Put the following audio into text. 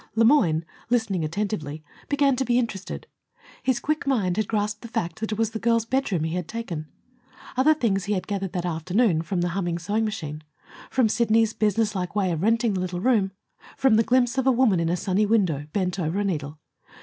Le Moyne, listening attentively, began to be interested. His quick mind had grasped the fact that it was the girl's bedroom he had taken. Other things he had gathered that afternoon from the humming sewing machine, from Sidney's businesslike way of renting the little room, from the glimpse of a woman in a sunny window, bent over a needle.